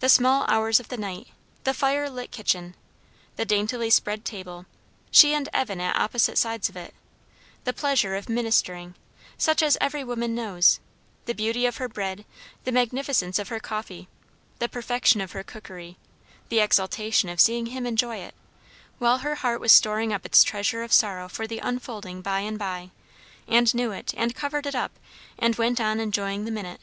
The small hours of night, the fire lit kitchen, the daintily spread table, she and Evan at opposite sides of it; the pleasure of ministering, such as every woman knows; the beauty of her bread, the magnificence of her coffee, the perfection of her cookery, the exultation of seeing him enjoy it; while her heart was storing up its treasure of sorrow for the unfolding by and by, and knew it, and covered it up, and went on enjoying the minute.